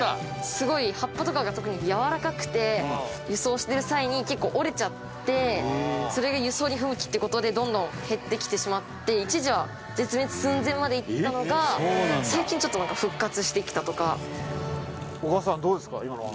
すごい葉っぱとかが特にやわらかくて輸送してる際に結構折れちゃってそれが輸送に不向きって事でどんどん減ってきてしまって一時は絶滅寸前までいったのが最近ちょっとなんか復活してきたとか。